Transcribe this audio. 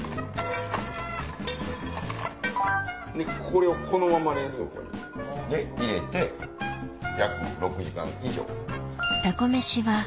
これをこのまま冷蔵庫に入れて約６時間以上。